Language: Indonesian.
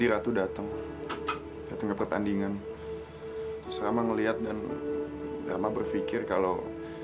ratu datang ke pertandingan kamu